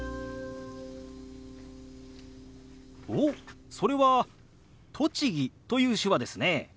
おっそれは「栃木」という手話ですね。